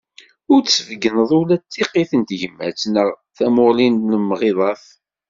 Ur d-sbeggnen ula d tiqqit n tegmat neɣ d tamuɣli n lemɣiḍat.